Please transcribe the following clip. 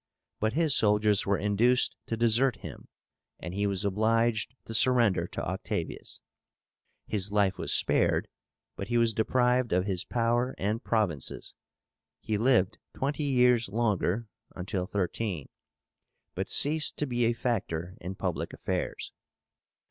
But his soldiers were induced to desert him, and he was obliged to surrender to Octavius. His life was spared, but he was deprived of his power and provinces. He lived twenty years longer (until 13), but ceased to be a factor in public affairs.